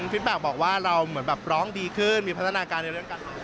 ผิดปากบอกว่าเราเหมือนแบบร้องดีขึ้นมีพัฒนาการเรื่องกัน